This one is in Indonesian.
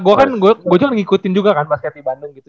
gue kan gue juga ngikutin juga kan basket di bandung gitu